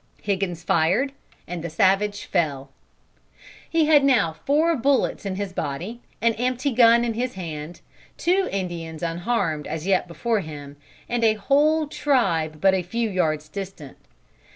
Higgins fired and the savage fell. "He had now four bullets in his body, an empty gun in his hand, two Indians unharmed as yet before him, and a whole tribe but a few yards distant.